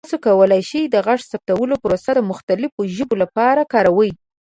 تاسو کولی شئ د غږ ثبتولو پروسه د مختلفو ژبو لپاره کاروئ.